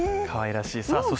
かわいらしい。